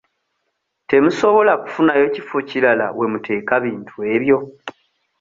Temusobola kufunayo kifo kirala we muteeka bintu ebyo?